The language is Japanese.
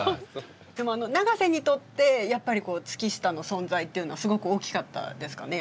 でも永瀬にとってやっぱり月下の存在っていうのはすごく大きかったですかね？